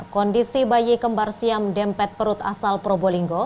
kondisi bayi kembar siam dempet perut asal probolinggo